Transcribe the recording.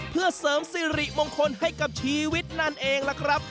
เพื่อเสริมสิริมงคลให้กับชีวิตนั่นเองล่ะครับ